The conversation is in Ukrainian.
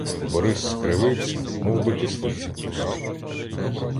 Борис скривився, мовби кислиці вкусив.